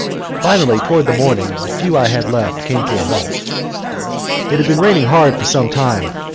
Finally toward morning the few I had left came to a halt. It had been raining hard for some time.